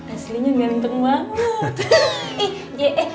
aslinya ganteng banget